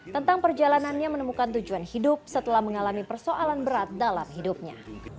tentang perjalanannya menemukan tujuan hidup setelah mengalami persoalan berat dalam hidupnya